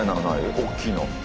大きいの。